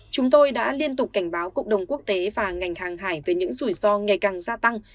chúng tôi đã liên tục cảnh báo cộng đồng quốc tế và ngành hàng hải về những rủi ro ngày càng gia tăng